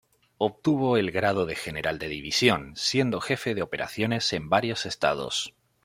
Obtuvo el grado de general de división, siendo jefe de operaciones en varios estados.